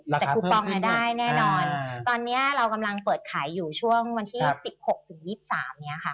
แต่คูปองได้แน่นอนตอนนี้เรากำลังเปิดขายอยู่ช่วงวันที่๑๖ถึง๒๓เนี่ยค่ะ